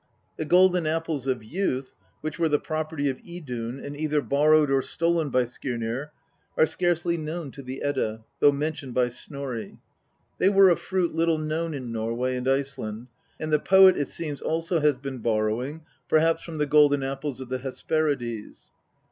The golden apples of youth, which were the property of Idun, and either borrowed or stolen by Skirnir, are Fcarcely known to the Edda, though mentioned by Snorri. They were a fruit little known in Norway and Iceland, and the poet, it seems, also has been borrowing, perhaps from the golden apples of the Hesperides.